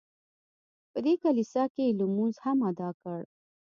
په دې کلیسا کې یې لمونځ هم ادا کړ.